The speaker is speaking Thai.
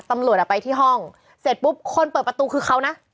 ตำรวจไปที่ห้องเสร็จปุ๊บคนเปิดประตูคือเขานะ